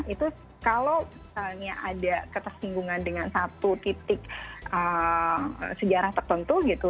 itu kalau misalnya ada ketersinggungan dengan satu titik sejarah tertentu gitu